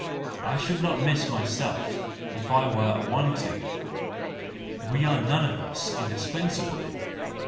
'—I should not miss myself, if I were a wanting. We are none of us indispensable!